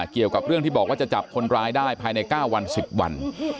เกี่ยวกับเรื่องที่บอกว่าจะจับคนร้ายได้ภายใน๙วัน๑๐วัน